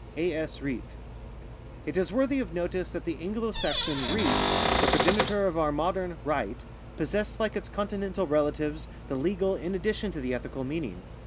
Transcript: A.S. RIHT. — It is worthy of notice that the Anglo Saxon riht, the progenitor of our modern right, possessed like its Continental relatives the legal in addition to the ethical meaning.